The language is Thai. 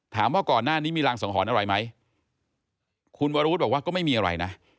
ถามว่าก่อนหน้านี้มีรางสังหรณ์อะไรไหมคุณวรวุฒิบอกว่าก็ไม่มีอะไรนะ